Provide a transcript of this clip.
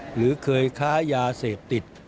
หรือเคยค้ายาเสพติด